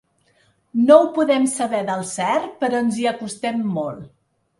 No ho podem saber del cert, però ens hi acostem molt.